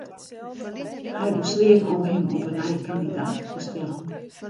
Hy besleat om him op 'e nij kandidaat te stellen.